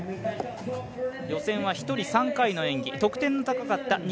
予選は１人３回の演技、得点の高かった。